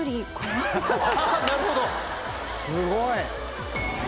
すごい！